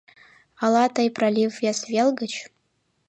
— Ала тый пролив вес вел гыч